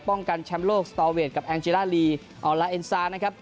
กันแชมป์โลกสตอเวทกับแองจิล่าลีออลลาเอ็นซานะครับ